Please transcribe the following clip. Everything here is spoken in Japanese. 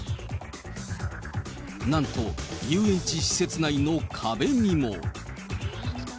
なんと遊園地施設内の壁にも。